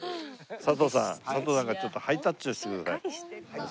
佐藤さん佐藤さんがちょっとハイタッチをしてください。